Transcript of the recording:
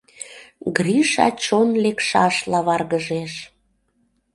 — Гриша чон лекшашла варгыжеш.